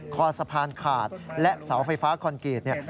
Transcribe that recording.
คอสะพานขาดและเสาไฟฟ้าคอนกรีต